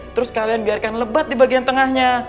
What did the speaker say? terus kalian biarkan lebat di bagian tengahnya